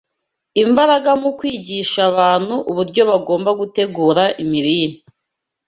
imbaraga mu kwigisha abantu uburyo bagomba gutegura imirire